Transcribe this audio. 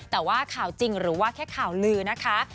แต่ว่าข่าวจริงหรือว่าแค่ข่าวลือนะคะ